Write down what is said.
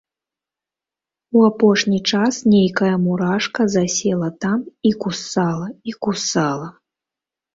У апошні час нейкая мурашка засела там і кусала, і кусала.